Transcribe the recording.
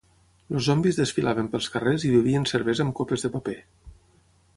Els zombis desfilaven pels carrers i bevien cervesa amb copes de paper.